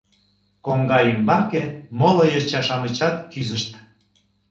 Коҥга ӱмбаке моло йоча-шамычат кӱзышт.